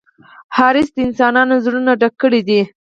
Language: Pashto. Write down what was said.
حرص د انسانانو زړونه ډک کړي دي.